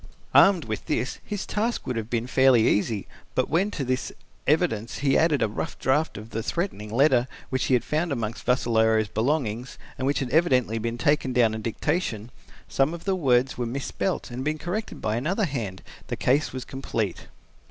Armed with this, his task would have been fairly easy, but when to this evidence he added a rough draft of the threatening letter which he had found amongst Vassalaro's belongings, and which had evidently been taken down at dictation, since some of the words were misspelt and had been corrected by another hand, the case was complete.